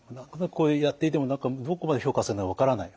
こうやっていても何かどこまで評価されるのか分からない。